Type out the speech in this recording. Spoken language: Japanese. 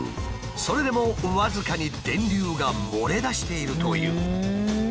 それでも僅かに電流が漏れ出しているという。